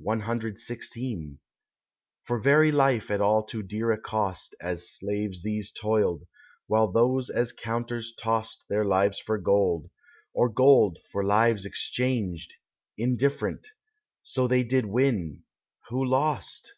CXVI For very life at all too dear a cost As slaves these toiled, while those as counters tost Their lives for gold, or gold for lives exchanged, Indifferent, so they did win, who lost.